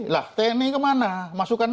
lah tni kemana masukkan